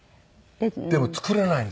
でも作れないんですよね